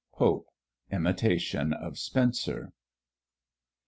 POPE, Imitation of Spencer.